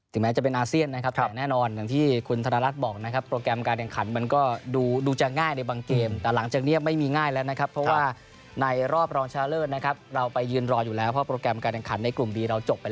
ถึงแม้จะเป็นอาเซียนนะครับแต่แน่นอนที่คุณธนรัฐบอกนะครับ